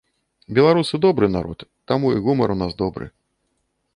Беларусы добры народ, таму і гумар у нас добры.